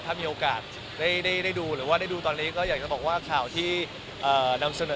ถ้ามีโอกาสได้ดูหรือว่าได้ดูตอนนี้ก็อยากจะบอกว่าข่าวที่นำเสนอ